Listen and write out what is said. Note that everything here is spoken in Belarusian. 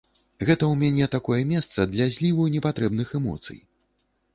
Гэта ў мяне такое месца для зліву непатрэбных эмоцый.